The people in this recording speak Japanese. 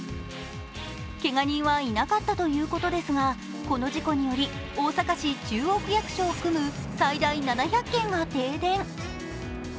けが人はいなかったということですが、この事故により、大阪市中央区役所を含む最大７００軒が停電。